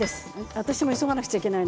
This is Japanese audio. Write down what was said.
私も急がなくちゃいけない。